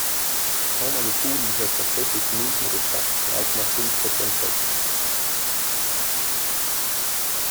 Kaum eine Kuh liefert tatsächlich Milch mit exakt drei Komma fünf Prozent Fett.